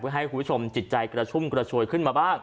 ให้คุณผู้ชมจิตใจกระชุ่มกระชวยขึ้นมาบ้าง